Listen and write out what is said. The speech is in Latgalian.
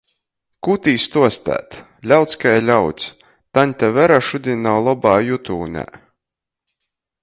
Kū tī stuostēt? Ļauds kai ļauds! taņte Vera šudiņ nav lobā jutūnē.